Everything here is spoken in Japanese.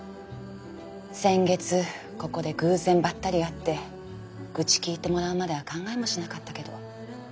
先月ここで偶然ばったり会って愚痴聞いてもらうまでは考えもしなかったけど。